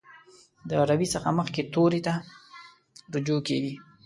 د روي څخه مخکې توري ته رجوع کیږي.